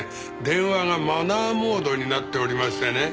電話がマナーモードになっておりましてね。